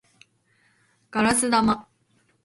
ガラス玉